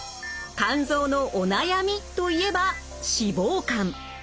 肝臓のお悩みといえば脂肪肝。